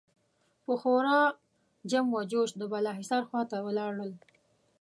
په خورا جم و جوش د بالاحصار خوا ته ولاړل.